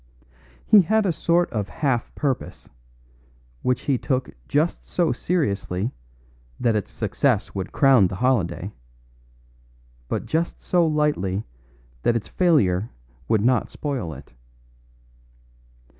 He had a sort of half purpose, which he took just so seriously that its success would crown the holiday, but just so lightly that its failure would not spoil it.